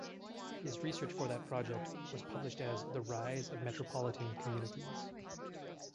His research for that project was published as "The Rise of Metropolitan Communities".